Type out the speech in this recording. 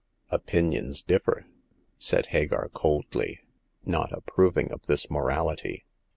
" Opinions differ," said Hagar, coldly, not ap proving of this morality.